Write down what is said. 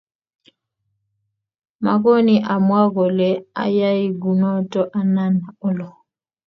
magooy amwaa kole ayoe kunoto anan oloo